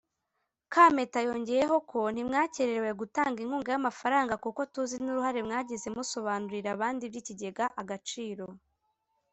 Kampeta yongeyeho ko ntimwakererewe gutanga inkunga y’amafaranga kuko tuzi n’uruhare mwagize musobanurira abandi iby’ikigega Agaciro